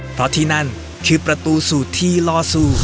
เพราะที่นั่นคือประตูสูตรที่ล่อสู้